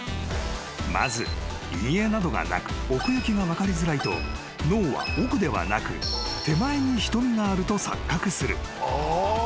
［まず陰影などがなく奥行きが分かりづらいと脳は奥ではなく手前に瞳があると錯覚する］